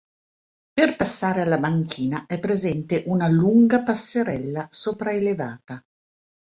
Per passare alla banchina è presente una lunga passerella sopraelevata.